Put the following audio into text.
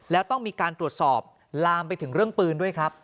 แล้วต้องมีการตรวจสอบลามไปถึงเรื่องปืนด้วยครับ